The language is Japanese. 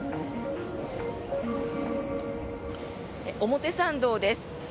表参道です。